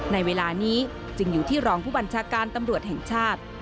ในเวลานี้จึงอยู่ที่รองผู้บัญชาการตำรวจแห่งชาติ